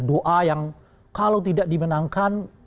doa yang kalau tidak dimenangkan